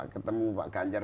ketemu pak kancar